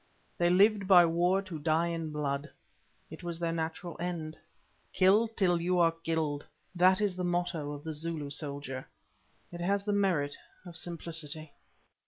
They lived by war to die in blood. It was their natural end. "Kill till you are killed." That is the motto of the Zulu soldier. It has the merit of simplicity.